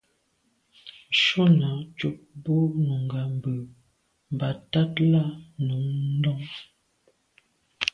Shúnɔ̀ cúp bú nùngà mbə̄ mbà tát lā nù lɔ̀ŋ.